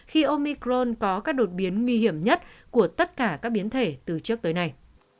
khi omicron có các đột biến nguy hiểm nhất của tất cả các biến thể từ trước tới nay